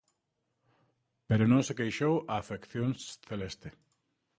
Pero non se queixou a afección celeste.